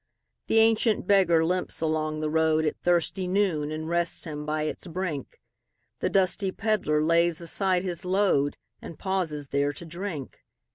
The ancient beggar limps along the roadAt thirsty noon, and rests him by its brink; The dusty pedlar lays aside his load, And pauses there to drink.